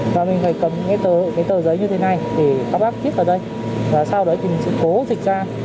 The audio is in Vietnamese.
và mình phải cầm cái tờ giấy như thế này để các bác tiếp vào đây và sau đấy thì mình sẽ cố dịch ra